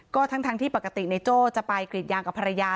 ก็ทั้งที่ปกติในโจ้จะไปกรีดยางกับภรรยา